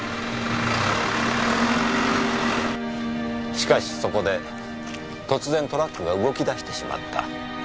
しかしそこで突然トラックが動き出してしまった。